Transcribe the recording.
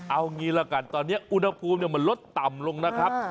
เอางี้ละกันตอนนี้อุณหภูมิมันลดต่ำลงนะครับ